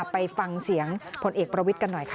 ไปฟังเสียงพลเอกประวิทย์กันหน่อยค่ะ